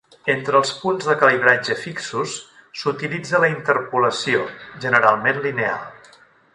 Entre els punts de calibratge fixos, s'utilitza la interpolació, generalment lineal.